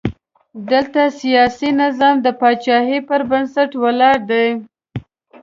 دلته سیاسي نظام د پاچاهۍ پر بنسټ ولاړ دی.